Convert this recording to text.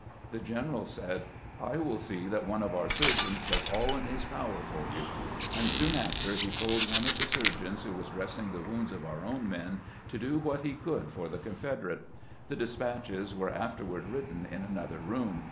The general said, " I will see that one of our surgeons does all in his power for you "; and soon after he told one of the surgeons who was dressing the wounds of our own men to do what he could for the Confederate. The despatches were afterward written in another room.